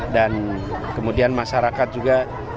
dan kemudian masyarakat juga